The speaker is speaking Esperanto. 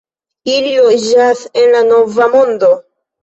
Ili loĝas en la Malnova Mondo.